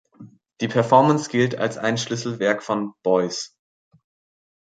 Die Performance gilt als ein Schlüsselwerk von Beuys.